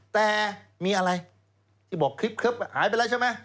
แต่มีอะไรที่บอกคลิปหายไปแล้วใช่ไหม